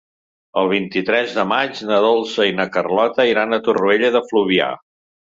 El vint-i-tres de maig na Dolça i na Carlota iran a Torroella de Fluvià.